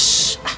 tidak ada boki